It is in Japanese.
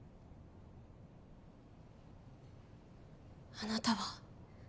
あなたは。